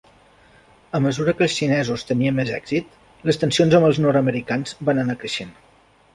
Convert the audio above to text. A mesura que els xinesos tenien més èxit, les tensions amb els nord-americans van anar creixent.